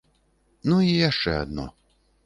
Ну, і яшчэ адно.